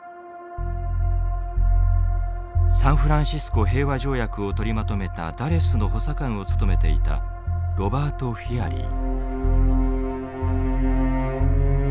サンフランシスコ平和条約を取りまとめたダレスの補佐官を務めていたロバート・フィアリー。